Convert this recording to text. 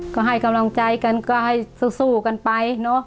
ก็ให้กำลังใจกันก็ให้สู้กันไปเนอะ